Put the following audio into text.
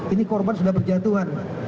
ini korban sudah berjatuhan